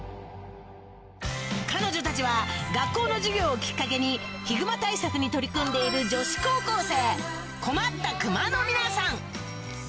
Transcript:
彼女たちは学校の授業をきっかけにヒグマ対策に取り組んでいる女子高校生「困ったくま」の皆さん